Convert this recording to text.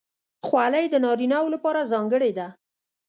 خولۍ د نارینه وو لپاره ځانګړې ده.